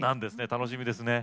楽しみですね。